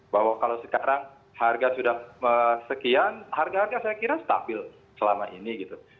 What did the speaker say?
bahwa kalau sekarang harga sudah sekian harga harga saya kira stabil selama ini gitu